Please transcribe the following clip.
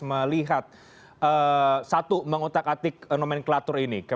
melihat satu mengutak atik nomenklatur ini